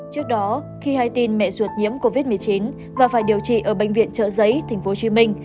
trước đó khi hay tin mẹ ruột nhiễm covid một mươi chín và phải điều trị ở bệnh viện chợ giấy tp hcm